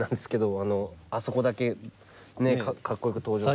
あのあそこだけねかっこよく登場させてもらって。